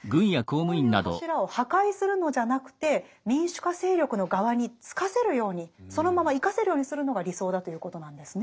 こういう柱を破壊するのじゃなくて民主化勢力の側につかせるようにそのまま生かせるようにするのが理想だということなんですね。